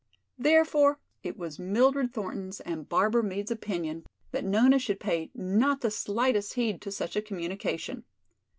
Therefore it was Mildred Thornton's and Barbara Meade's opinion that Nona should pay not the slightest heed to such a communication.